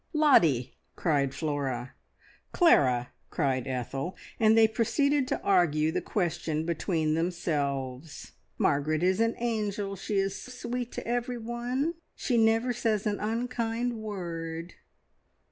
"Lottie!" cried Flora. "Clara!" cried Ethel; and they proceeded to argue the question between themselves. "Margaret is an angel. She is sweet to everyone. She never says an unkind word."